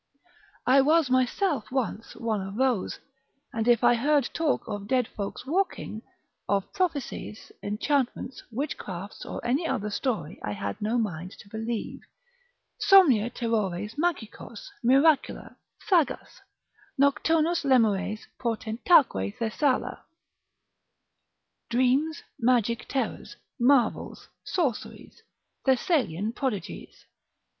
I was myself once one of those; and if I heard talk of dead folks walking, of prophecies, enchantments, witchcrafts, or any other story I had no mind to believe: "Somnia, terrores magicos, miracula, sagas, Nocturnos lemures, portentaque Thessala," ["Dreams, magic terrors, marvels, sorceries, Thessalian prodigies."